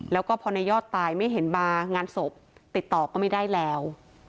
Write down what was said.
แล้วก็พอในยอดตายไม่เห็นมางานศพติดต่อก็ไม่ได้แล้ว